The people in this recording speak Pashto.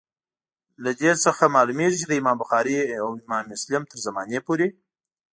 له دې څخه معلومیږي چي د امام بخاري او امام مسلم تر زمانې پوري.